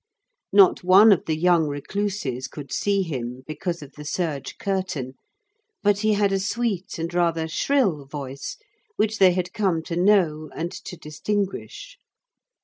Not one of the young recluses could see him, because of the serge curtain, but he had a sweet and rather shrill voice, which they had come to know and to distinguish.